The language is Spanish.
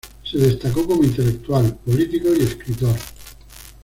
Se destacó como intelectual, político y escritor.